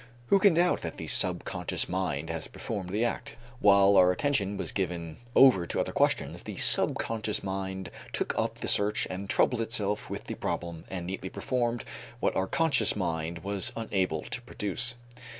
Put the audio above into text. Who can doubt that the subconscious mind has performed the act? While our attention was given over to other questions, the subconscious mind took up the search and troubled itself with the problem and neatly performed what our conscious mind was unable to produce.